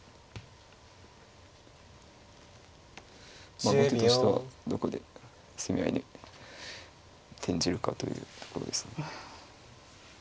まあ後手としてはどこで攻め合いに転じるかというところですね。